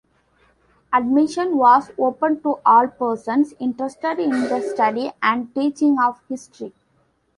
Admission was "open to all persons interested in the study and teaching of history".